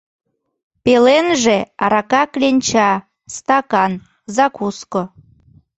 Пеленже — арака кленча, стакан, закуско.